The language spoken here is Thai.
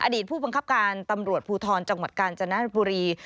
ผู้บังคับการตำรวจภูทรจังหวัดกาญจนบุรี